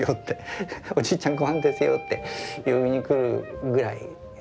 「おじいちゃんごはんですよ」って呼びに来るぐらい。